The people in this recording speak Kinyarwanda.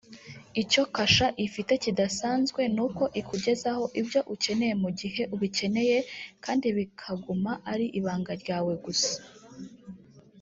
Icyo Kasha ifite kidasanzwe ni uko ikugezaho ibyo ukeneye mu gihe ubikeneye kandi bikaguma ari ibanga ryawe gusa